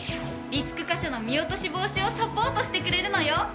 リスク箇所の見落とし防止をサポートしてくれるのよ。